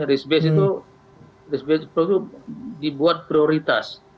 risk base itu dibuat prioritas